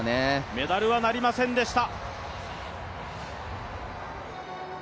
メダルはなりませんでした。